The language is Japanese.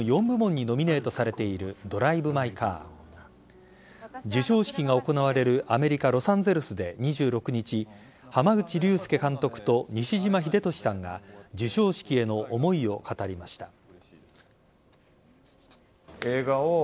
４部門にノミネートされている「ドライブ・マイ・カー」授賞式が行われるアメリカ・ロサンゼルスで２６日濱口竜介監督と西島秀俊さんが授賞式への思いを語りました。